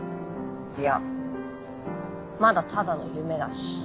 いやまだただの夢だし。